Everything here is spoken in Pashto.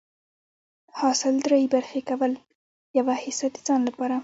حاصل دری برخي کول، يوه حيصه د ځان لپاره